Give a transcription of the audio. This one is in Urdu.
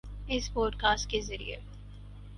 اس پوڈکاسٹ کے ذریعے